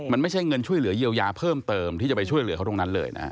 มันไม่ใช่เงินช่วยเหลือเยียวยาเพิ่มเติมที่จะไปช่วยเหลือเขาตรงนั้นเลยนะ